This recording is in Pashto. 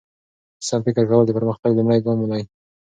سم فکر کول د پرمختګ لومړی ګام دی.